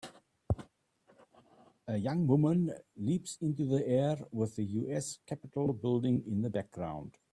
A young woman leaps into the air with the US Capitol building in the background.